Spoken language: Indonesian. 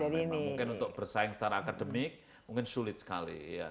memang mungkin untuk bersaing secara akademik mungkin sulit sekali